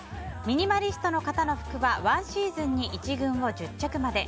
ミニマリストの方の服はワンシーズンに１軍を１０着まで。